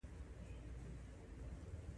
زه لا هلته نه يم تللی چې لاړشم تا ته به وويم